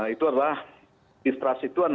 itu adalah distrust itu